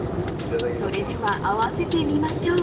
［それでは合わせてみましょう］